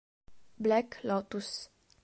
Black Lotus